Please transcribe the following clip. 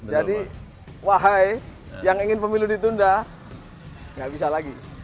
jadi wahai yang ingin pemilu ditunda gak bisa lagi